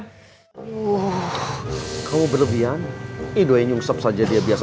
woh kau berlebihan ido yang nyungsep saja dia biasa saja